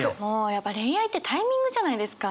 やっぱ恋愛ってタイミングじゃないですか。